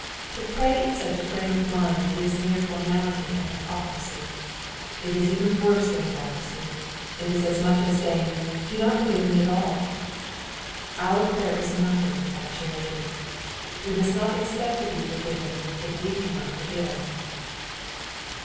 To pray in such a frame of mind is mere formality and hypocrisy. It is even worse than hypocrisy. It is as much as saying, " Do not forgive me at all." Our prayer is nothing without charity. We must not expect to be forgiven, if we cannot forgive.